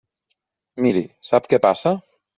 Miri, sap què passa?